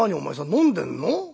飲んでんの？